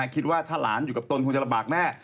คิดว่าถ้าหลานอยู่กับตนคงจะลำบากแน่